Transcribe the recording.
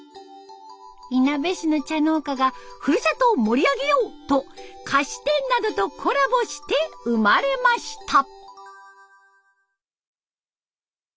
いなべ市の茶農家がふるさとを盛り上げようと菓子店などとコラボして生まれました。